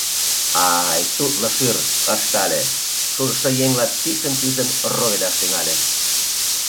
— Ай, тутло шӱр... — ыштале, шужышо еҥла писын-писын роведаш тӱҥале.